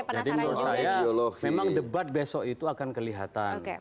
jadi menurut saya memang debat besok itu akan kelihatan